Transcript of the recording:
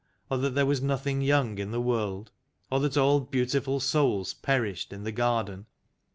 Or that there was nothing young in the World? Or that all beautiful souls perished in the garden?